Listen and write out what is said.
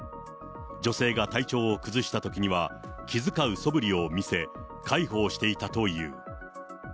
女性が体調を崩したときには、気遣うそぶりを見せ、介抱していたという。